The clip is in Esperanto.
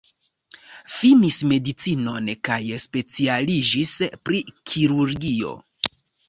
Finis medicinon kaj specialiĝis pri kirurgio.